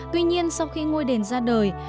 tuy nhiên sau khi ngôi đền ra đời